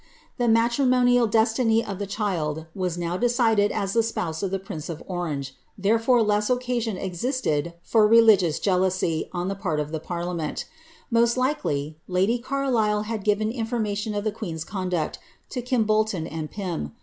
The matrimonial destiny of the child was now decided as the spouse of the prince of Orange, therefore less occasion existed for religious jealousy on the part of the parliament Most likely, lady Carlisle had given information of the queen^s conduct to Kimbolton and Pym.